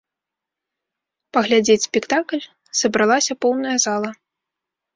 Паглядзець спектакль сабралася поўная зала.